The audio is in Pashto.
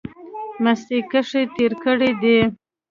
مستۍ کښې تېر کړی دی۔